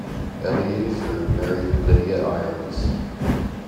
Eleazer married Lydia Irons.